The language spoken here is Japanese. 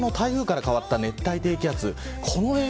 あした、台風から変わった熱帯低気圧。